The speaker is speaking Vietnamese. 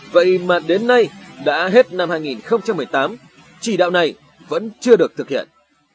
vậy mà đến nay đã hết năm hai nghìn một mươi tám chỉ đạo này vẫn chưa được thực hiện